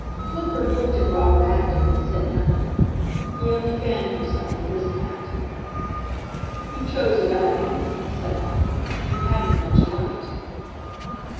Clifford looked at Robert Acton, but said nothing; he only fanned himself with his hat. "You chose a bad moment," said Acton; "you hadn't much light."